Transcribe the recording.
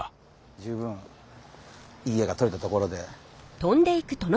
十分いい絵が撮れたところで。